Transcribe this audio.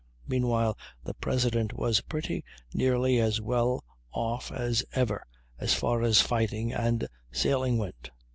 Meanwhile the President was pretty nearly as well off as ever as far as fighting and sailing went.